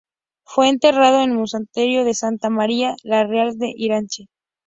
Fue enterrado en el Monasterio de Santa María la Real de Irache.